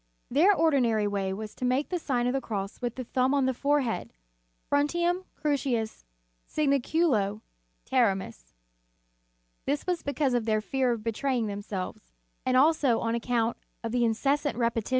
Their ordi nary way was to make the Sign of the. Cross with the thumb on the forehead : Frontem crucis signaculo terimus. This was because of their fear of betraying themselves, and also on account of the incessant repetition * Moral., lib. xx. c. 18.